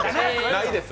ないです。